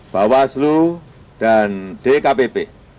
bawaslu dan dkpp